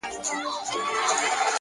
هوښیار انسان له تېروتنو ځان سموي,